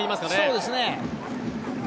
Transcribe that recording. そうですね。